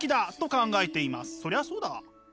そりゃそうだ。